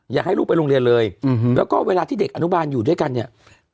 อยากให้ลูกไปโรงเรียนเลยแล้วก็เวลาที่เด็กอนุบาลอยู่ด้วยกันเนี่ย